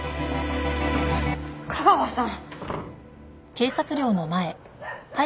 架川さん！